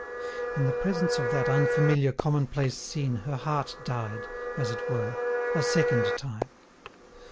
In the presence of that unfamiliar commonplace scene her heart died, as it were, a second time.